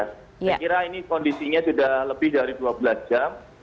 saya kira ini kondisinya sudah lebih dari dua belas jam